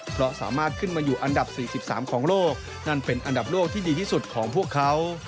เพราะสามารถขึ้นมาอยู่อันดับ๔๓ของโลกนั่นเป็นอันดับโลกที่ดีที่สุดของพวกเขา